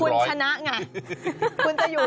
อนาคตพันธ์อาจจะมีถึง๑๐๐คุณชนะไง